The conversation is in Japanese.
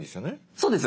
そうです。